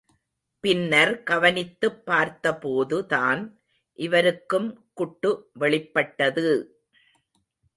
பின்னர் கவனித்துப் பார்த்தபோது தான் இருவருக்கும் குட்டு வெளிப்பட்டது!